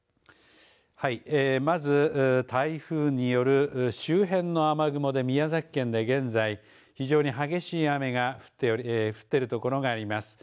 まず台風による周辺の雨雲で宮崎県で現在、非常に激しい雨が降っているところがあります。